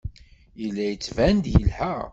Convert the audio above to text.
Yella yettban-d yelha.